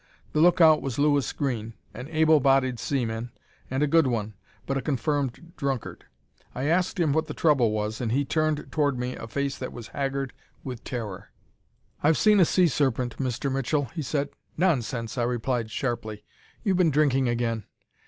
The lookout was Louis Green, an able bodied seaman and a good one, but a confirmed drunkard. I asked him what the trouble was and he turned toward me a face that was haggard with terror. "'I've seen a sea serpent, Mr. Mitchell,' he said. "'Nonsense!' I replied sharply. 'You've been drinking again.'